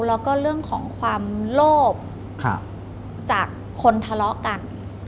แล้วก็เรื่องของความโลภจากคนทะเลาะกัน